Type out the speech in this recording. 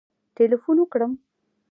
ټلېفون وکړم